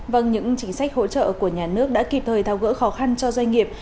vâng những chính sách hỗ trợ của nhà nước đã kịp thời thao gỡ khó khăn cho doanh nghiệp